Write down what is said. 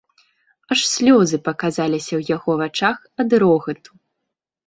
Аж слёзы паказаліся ў яго вачах ад рогату.